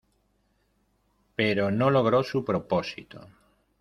Pero no logró su propósito.